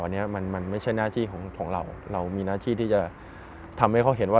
อันนี้มันไม่ใช่หน้าที่ของเราเรามีหน้าที่ที่จะทำให้เขาเห็นว่า